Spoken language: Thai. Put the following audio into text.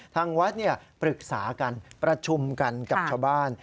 ทางวัดปรึกษากันประชุมกันกับชาวบ้าน